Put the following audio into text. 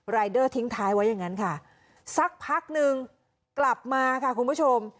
รายเดอร์ทิ้งท้ายไว้อย่างนั้นค่ะสักพักนึงกลับมาค่ะคุณผู้ชม